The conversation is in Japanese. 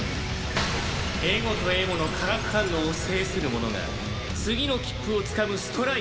エゴとエゴの化学反応を制する者が次の切符をつかむストライカーだ。